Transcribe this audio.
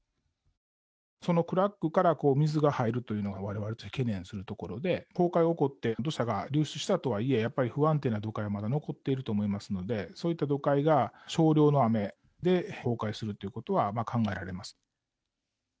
そのクラックから水が入るというのが、われわれが懸念するところで、崩壊が起こって土砂が流出したとはいえ、やっぱり不安定な土塊が残っていると思いますので、そういった土塊が少量の雨で崩壊するということは、考えられます。